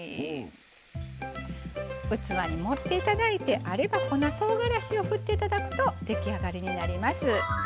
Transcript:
器に盛っていただいて、あれば粉とうがらしを振って出来上がりになります。